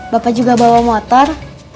bapak juga bawa motor